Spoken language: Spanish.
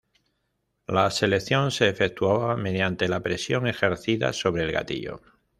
La selección se efectuaba mediante la presión ejercida sobre el gatillo.